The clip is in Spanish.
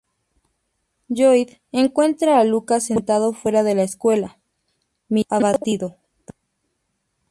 Lloyd encuentra a Lucas sentado fuera de la escuela, mirando abatido.